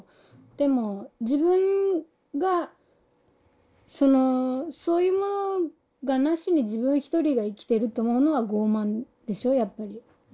でも自分がそのそういうものがなしに自分一人が生きてると思うのは傲慢でしょやっぱり。